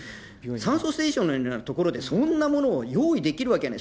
酸素ステーションのような所でそんなものを用意できるわけない。